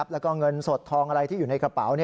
แล้วก็เงินสดทองอะไรที่อยู่ในกระเป๋า